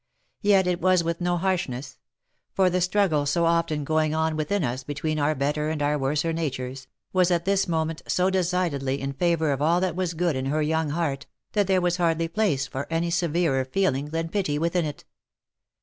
Yet it was with no harshness ; for the struggle so often going on within us between our better and our worser natures, was at this moment so decidedly in favour of all that was good in her young heart, that there was hardly place for any severer feeling than pity within it.